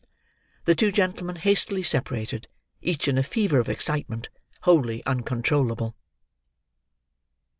The two gentlemen hastily separated; each in a fever of excitement wholly uncontrollable.